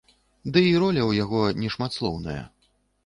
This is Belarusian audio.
Ды і роля ў яго не шматслоўная.